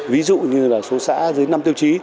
ví dụ như là số xã dưới năm tiêu chí